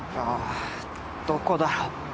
どこだろう。